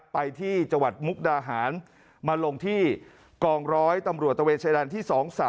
ไปที่จังหวัดมุกดาหารมาลงที่กองร้อยตำรวจตะเวนชายแดนที่๒๓